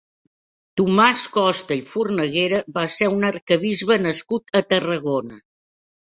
Tomàs Costa i Fornaguera va ser un arquebisbe nascut a Tarragona.